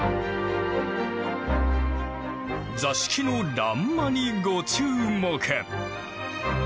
座敷の欄間にご注目。